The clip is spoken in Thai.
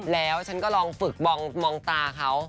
แล้วฉันก็ลองฝึกมองตาเขา